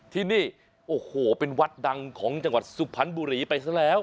ที่นี่โอ้โหเป็นวัดดังของจังหวัดสุพรรณบุรีไปซะแล้ว